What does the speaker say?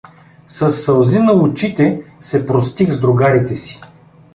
Със сълзи на очите се простих с другарите си.